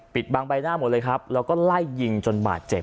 บางใบหน้าหมดเลยครับแล้วก็ไล่ยิงจนบาดเจ็บ